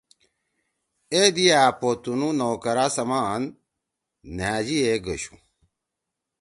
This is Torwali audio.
اے دی أ پو تنُو نوکرا سمَان نھأژی ئے گشُو۔